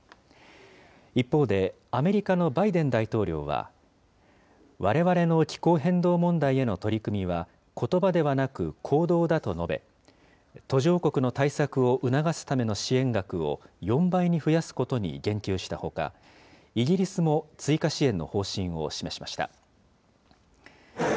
一方で、アメリカのバイデン大統領は、われわれの気候変動問題への取り組みはことばではなく行動だと述べ、途上国の対策を促すための支援額を４倍に増やすことに言及したほか、イギリスも追加支援の方針を示しました。